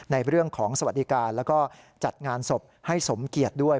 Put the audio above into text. ในเรื่องของสวัสดิการแล้วก็จัดงานศพให้สมเกียจด้วย